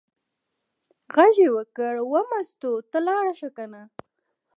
غږ یې وکړ: وه مستو ته لاړه شه کنه.